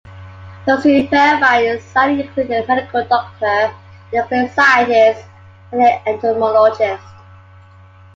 Those who verified signing included a medical doctor, a nuclear scientist, and an entomologist.